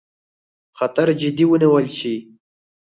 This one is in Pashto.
خطر جدي ونیول شي.